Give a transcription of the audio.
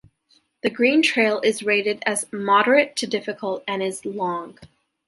The green trail is rated as "moderate to difficult" and is long.